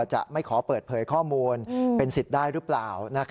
จะไม่ขอเปิดเผยข้อมูลเป็นสิทธิ์ได้หรือเปล่า